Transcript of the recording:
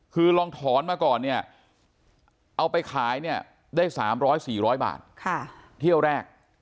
คือลองถอนมาก่อนเนี่ยเอาไปขายเนี่ยได้๓๐๐๔๐๐บาทเที่ยวแรก